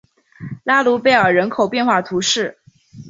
拉卢贝尔人口变化图示